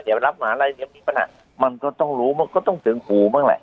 อย่าไปรับหมาลัยมันก็ต้องรู้มันก็ต้องเตือนหูบ้างแหละ